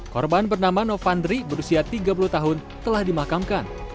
korban bernama novandri berusia tiga puluh tahun telah dimakamkan